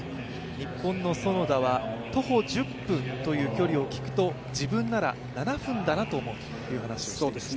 日本の園田は徒歩１０分という距離を聞くと、自分なら７分だなと思うと話していました。